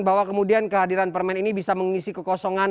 bahwa kemudian kehadiran permen ini bisa mengisi kekosongan